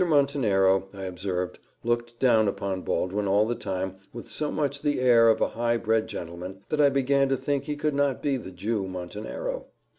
Montenero, I observed, looked down upon Baldwin all the time with so much the air of a high bred gentleman, that I began to think he could not be the Jew Montenero.